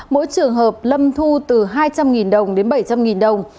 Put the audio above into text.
mỗi trường hợp lâm thu từ hai trăm linh đồng đến bảy trăm linh đồng